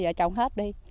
bây giờ trồng hết đi